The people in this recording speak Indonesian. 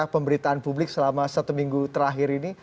pemberitaan publik selama satu minggu terakhir ini